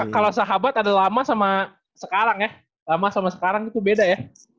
kalau sahabat ada lama sama sekarang ya lama sama sekarang itu beda ya